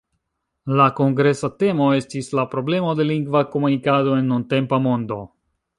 La kongresa temo estis "La problemo de lingva komunikado en nuntempa mondo".